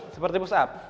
seperti push up